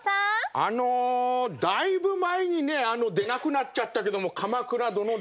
あのだいぶ前にねあの出なくなっちゃったけども「鎌倉殿」で。